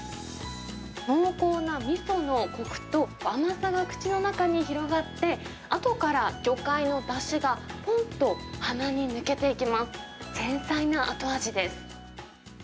濃厚なみそのこくと、甘さが口の中に広がって、あとから魚介のだしが、ぽんっと鼻に抜けていきます。